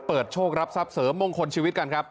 เปิดช่องรับสับเสริมมงคลชีวิตกันครับ